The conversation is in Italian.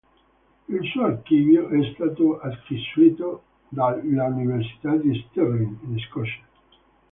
Il suo archivio è stato acquisito dall'Università di Stirling, in Scozia.